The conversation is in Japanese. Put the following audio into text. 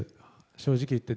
正直言って。